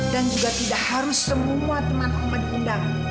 dan juga tidak harus semua teman oma diundang